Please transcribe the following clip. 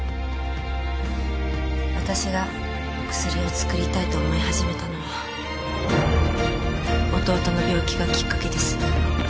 私が薬を作りたいと思い始めたのは弟の病気がきっかけです